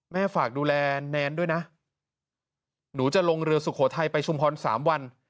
ฝากดูแลแนนด้วยนะหนูจะลงเรือสุโขทัยไปชุมพร๓วัน